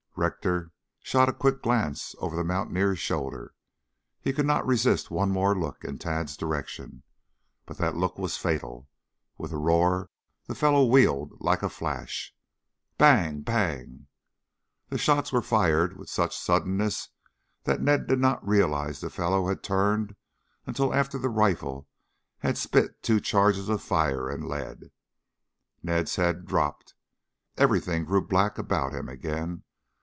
Rector shot a quick glance over the mountaineer's shoulder. He could not resist one more look in Tad's direction. But that look was fatal. With a roar the fellow wheeled like a flash. Bang, bang! The shots were fired with such suddenness that Ned did not realize the fellow had turned until after the rifle had spit two charges of fire and lead. Ned's head dropped. Everything grew black about him again.